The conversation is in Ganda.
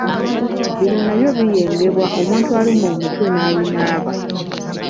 Bino nabyo biyengebwa omuntu alumwa omutwe n'abinaaba